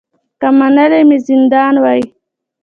که منلی مي زندان وای